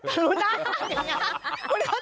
รู้รึหรือเปล่า